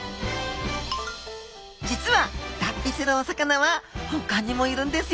実は脱皮するお魚はほかにもいるんですよ。